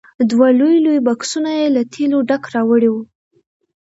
دوه لوی لوی بکسونه یې له تېلو ډک راوړي وو.